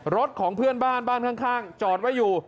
รถของเพื่อนบ้านบ้านข้างจอดไว้อยู่